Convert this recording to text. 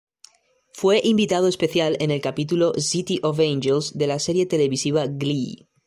Fue invitado especial en el capítulo "City of Angels" de la serie televisiva "Glee".